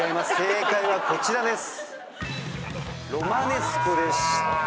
正解はこちらです。